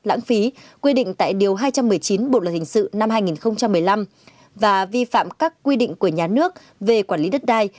lãng phí quy định tại điều hai trăm một mươi chín bộ luật hình sự năm hai nghìn một mươi năm và vi phạm các quy định của nhà nước về quản lý đất đai